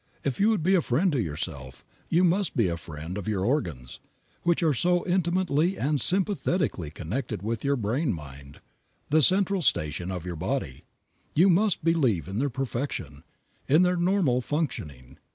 If you would be a friend to yourself, you must be a friend of your organs, which are so intimately and sympathetically connected with your brain mind the central station of your body. You must believe in their perfection, in their normal functioning.